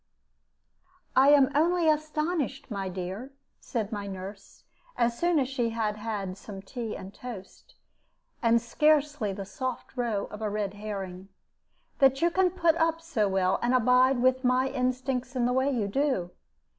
"I am only astonished, my dear," said my nurse, as soon as she had had some tea and toast, and scarcely the soft roe of a red herring, "that you can put up so well, and abide with my instincts in the way you do.